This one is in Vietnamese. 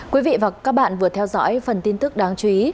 quý vị và các bạn vừa theo dõi phần tin tức đáng chú ý